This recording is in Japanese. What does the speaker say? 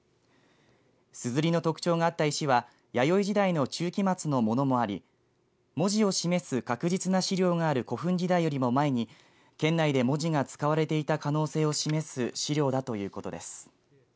すずりの特徴があった石は弥生時代の中期末のものもあり文字を示す確実な資料がある古墳時代よりも前に県内で文字が使われていた可能性を示す資料だということです。